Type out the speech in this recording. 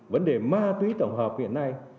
vấn đề ma túy tổng hợp hiện nay